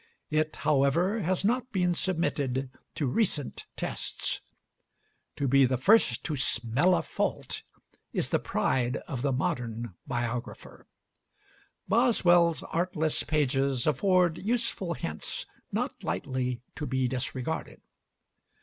It, however, has not been submitted to recent tests. To be the first to "smell a fault" is the pride of the modern biographer. Boswell's artless pages afford useful hints not lightly to be disregarded.